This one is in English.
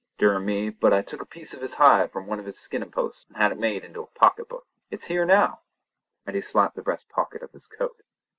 Durn me, but I took a piece of his hide from one of his skinnin' posts an' had it made into a pocket book. It's here now!" and he slapped the breast pocket of his coat.